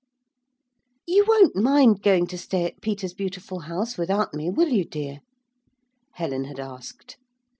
'You won't mind going to stay at Peter's beautiful house without me, will you, dear?' Helen had asked.